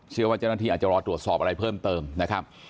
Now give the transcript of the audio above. เชื่อว่าเจ้าหน้าที่อาจจะรอตรวจสอบอะไรเพิ่มเติมนะครับ